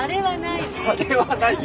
あれはないね。